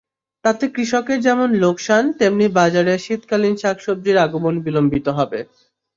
তাতে কৃষকের যেমন লোকসান, তেমনি বাজারে শীতকালীন শাকসবজির আগমন বিলম্বিত হবে।